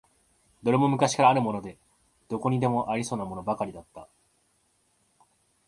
どれも昔からあるもので、どこにでもありそうなものばかりだった。